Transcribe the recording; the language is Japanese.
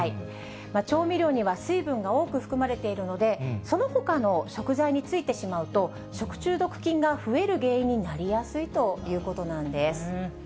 調味料には水分が多く含まれているので、そのほかの食材についてしまうと、食中毒菌が増える原因になりやすいということなんです。